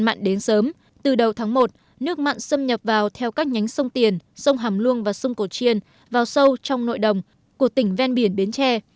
hạn mặn đến sớm từ đầu tháng một nước mặn xâm nhập vào theo các nhánh sông tiền sông hàm luông và sông cổ chiên vào sâu trong nội đồng của tỉnh ven biển bến tre